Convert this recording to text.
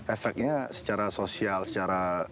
efeknya secara sosial secara